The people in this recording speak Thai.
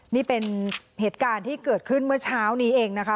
นี่เป็นเหตุการณ์ที่เกิดขึ้นเมื่อเช้านี้เองนะคะ